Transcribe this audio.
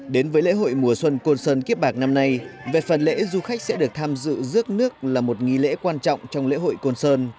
đến với lễ hội mùa xuân côn sơn kiếp bạc năm nay về phần lễ du khách sẽ được tham dự rước nước là một nghi lễ quan trọng trong lễ hội côn sơn